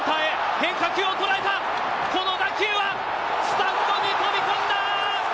変化球を捉えたこの打球はスタンドに飛び込んだ。